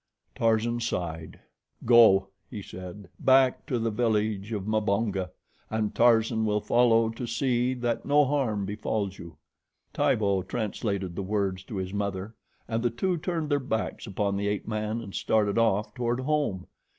Tarzan sighed. "Go," he said, "back to the village of Mbonga, and Tarzan will follow to see that no harm befalls you." Tibo translated the words to his mother, and the two turned their backs upon the ape man and started off toward home.